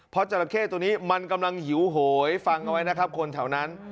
เพราะจราเข้ตัวนี้มันกำลังหิวโหยฟังเอาไว้นะครับคนแถวนั้น